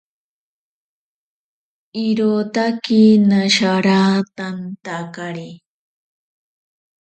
Irotaki nasharantantakari.